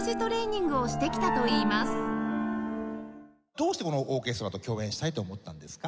どうしてオーケストラと共演したいと思ったんですか？